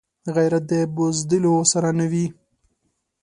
غیرت د بزدلو سره نه وي